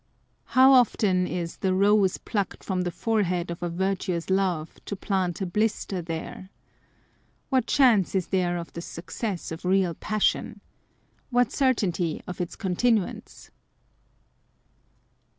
How often is a the rose plucked from the forehead of a virtuous love to plant a blister there !" What chance is there of the suc cess of real passion ? What certainty of its continuance